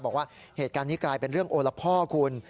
บอกว่าเหตุการณ์นี้กลายเป็นเรื่องโอละพ่อคุณ